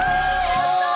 やったー！